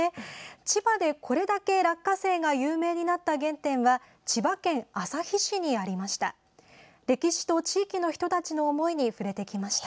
千葉でこれだけ落花生が有名になった原点は千葉県旭市にありました。